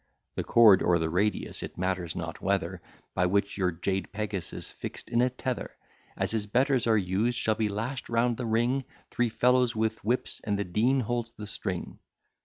The chord, or the radius, it matters not whether, By which your jade Pegasus, fix'd in a tether, As his betters are used, shall be lash'd round the ring, Three fellows with whips, and the Dean holds the string.